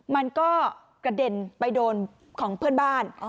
มันก็กระเด็นไปโดนของเพื่อนบ้าน